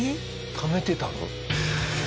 ためてたの？